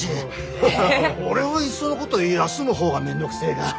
俺はいっそのこと休む方がめんどくせえが。